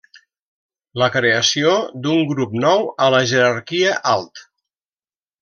La creació d'un grup nou a la jerarquia alt.